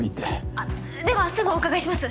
あっではすぐお伺いします。